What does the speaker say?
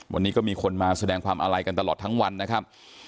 วันนี้ก็มีคนมาแสดงความอาลัยกันตลอดทั้งวันนะครับ